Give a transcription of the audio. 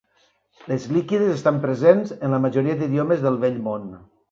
Les líquides estan presents en la majoria d'idiomes del Vell Món.